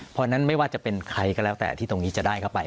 เพราะฉะนั้นไม่ว่าจะเป็นใครก็แล้วแต่ที่ตรงนี้จะได้เข้าไป